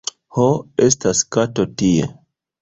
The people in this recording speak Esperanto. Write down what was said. Ho, estas kato tie...